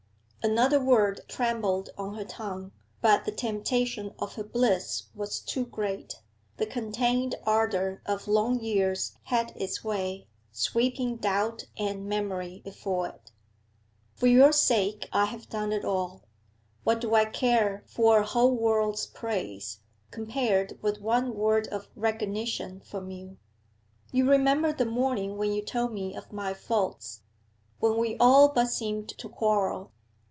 Another word trembled on her tongue, but the temptation of her bliss was too great; the contained ardour of long years had its way, sweeping doubt and memory before it. 'For your sake I have done it all. What do I care for a whole world's praise, compared with one word of recognition from you! You remember the morning when you told me of my faults, when we all but seemed to quarrel?